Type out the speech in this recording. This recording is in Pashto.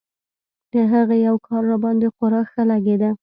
د هغې يو کار راباندې خورا ښه لګېده.